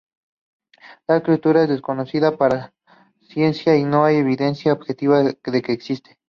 Tal criatura es desconocida para ciencia y hay no evidencia objetiva de que exista.